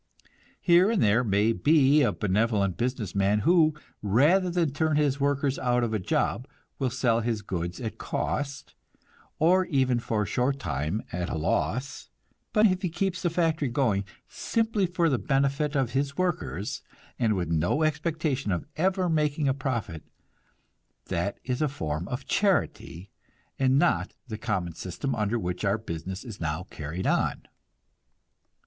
Here and there may be a benevolent business man who, rather than turn his workers out of a job, will sell his goods at cost, or even for a short time at a loss; but if he keeps the factory going simply for the benefit of his workers, and with no expectation of ever making a profit, that is a form of charity, and not the common system under which our business is now carried on.